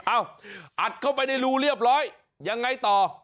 อัดเข้าไปในรูเรียบร้อยยังไงต่อ